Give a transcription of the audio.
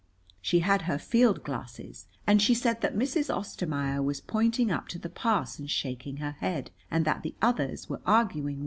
She had her field glasses, and she said that Mrs. Ostermaier was pointing up to the pass and shaking her head, and that the others were arguing with her.